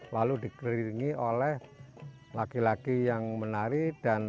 lalu dikeringi oleh laki laki yang menari dan